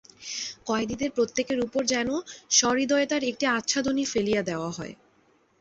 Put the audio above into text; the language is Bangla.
কয়েদীদের প্রত্যেকের উপর যেন সহৃদয়তার একটি আচ্ছাদনী ফেলিয়া দেওয়া হয়।